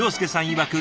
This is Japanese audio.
いわく